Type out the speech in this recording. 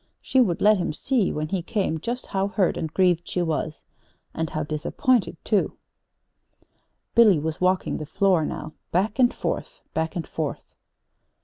She would let him see, when he came, just how hurt and grieved she was and how disappointed, too. Billy was walking the floor now, back and forth, back and forth.